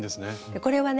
これはね